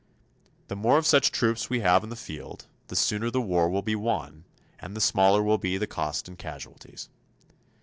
The more of such troops we have in the field, the sooner the war will be won, and the smaller will be the cost in casualties.